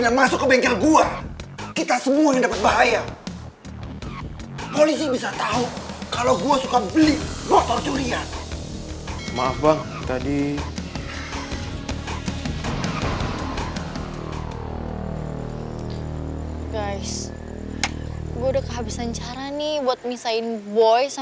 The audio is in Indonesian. jangan lupa like share dan subscribe ya